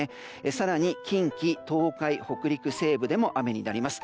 更に近畿、東海、北陸西部でも雨になります。